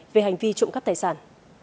về hành vi trộm cắp tài sản